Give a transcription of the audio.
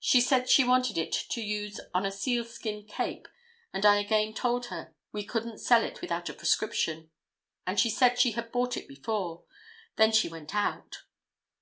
She said she wanted to use it on a sealskin cape and I again told her we couldn't sell it without a prescription, and she said she had bought it before. Then she went out."